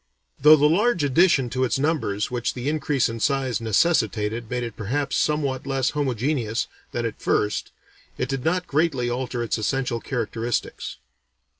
Though the large addition to its numbers which the increase in size necessitated made it perhaps somewhat less homogeneous than at first, it did not greatly alter its essential characteristics.